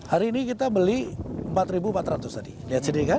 hari ini kita beli empat empat ratus tadi lihat sendiri kan